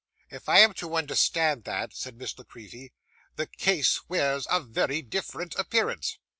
'If I am to understand that,' said Miss La Creevy, 'the case wears a very different appearance.